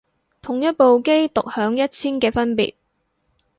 同一部機獨享一千嘅分別